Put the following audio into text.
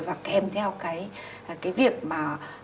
và kèm theo cái việc mà